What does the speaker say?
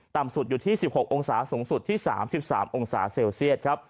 ต่ำสุดอยู่ที่๑๖องศาเซลเซียสสูงสุดที่๓๓องศาเซลเซียส